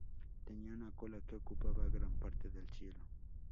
Tenía una cola que ocupaba gran parte del cielo.